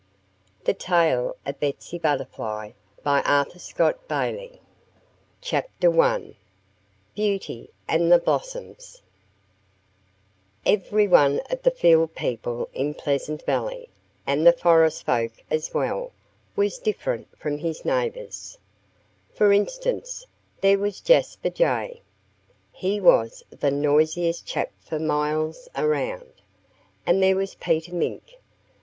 A STRANGE CHANGE 103 XXII. THE SKIPPER 110 THE TALE OF BETSY BUTTERFLY I BEAUTY AND THE BLOSSOMS EVERY one of the field people in Pleasant Valley, and the forest folk as well, was different from his neighbors. For instance, there was Jasper Jay. He was the noisiest chap for miles around. And there was Peter Mink.